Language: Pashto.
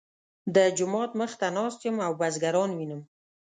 د جومات مخ ته ناست یم او بزګران وینم.